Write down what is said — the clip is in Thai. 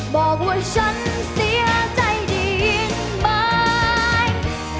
บอกว่าฉันเสียใจได้ยินไหม